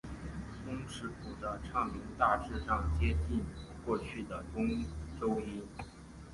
工尺谱的唱名大致上接近过去的中州音。